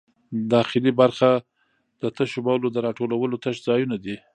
داخلي برخه د تشو بولو د راټولولو تش ځایونه دي.